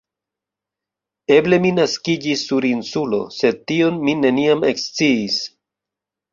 Eble mi naskiĝis sur Insulo, sed tion mi neniam eksciis.